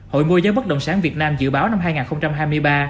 hội môi giá bất động sản việt nam dự báo năm hai nghìn hai mươi ba